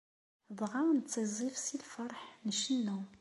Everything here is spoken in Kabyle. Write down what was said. Dɣa nettiẓẓif si lfeṛḥ, ncennu.